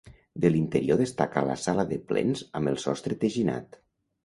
De l'interior destaca la sala de plens amb el sostre teginat.